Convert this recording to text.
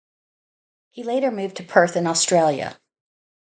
He later moved to Perth in Australia.